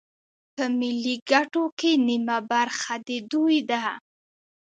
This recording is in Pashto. په ملي ګټو کې نیمه برخه د دوی ده